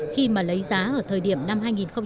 khi mà lấy giá ở thời điểm năm hai nghìn một mươi ba